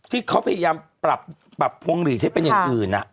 ที่เขาพยายามปรับพวงหลีดให้เป็นอย่างอื่น